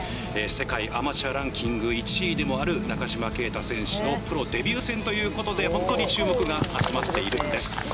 世界アマチュアランキング１位でもある中島啓太選手のプロデビュー戦ということで、本当に注目が集まっているんです。